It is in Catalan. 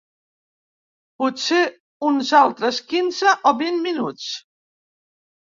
Potser uns altres quinze o vint minuts.